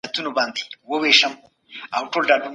د بدن غړي په ورزش سره کار کوي.